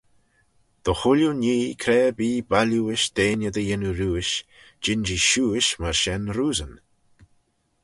Dy chooilley nhee cre-erbee bailliuish deiney dy yannoo riuish, jean-jee shiuish myr shen roosyn.